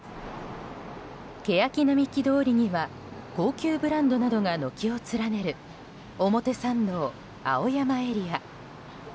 けやき並木通りには高級ブランドなどが軒を連ねる表参道・青山エリア。